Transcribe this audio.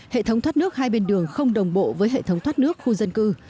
hệ thống thoát nước hai bên đường không đồng bộ với hệ thống thoát nước khu dân cư